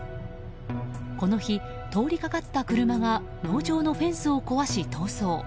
この日、通りかかった車が農場のフェンスを壊し、逃走。